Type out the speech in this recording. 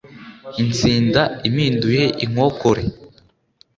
Intsinda impinduye inkokore!